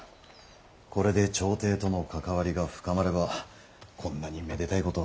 これで朝廷との関わりが深まればこんなにめでたいことは。